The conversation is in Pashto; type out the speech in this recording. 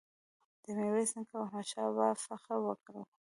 د میرویس نیکه او احمد شاه بابا فخر وکړو.